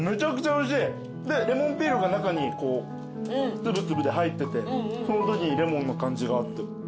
でレモンピールが中につぶつぶで入っててそのときにレモンの感じがあって。